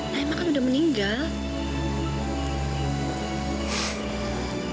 naima kan udah meninggal